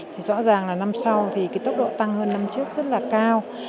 thì rõ ràng là năm sau thì cái tốc độ tăng hơn năm trước rất là cao